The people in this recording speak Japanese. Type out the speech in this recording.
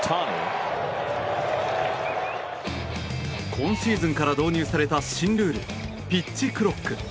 今シーズンから導入された新ルールピッチクロック。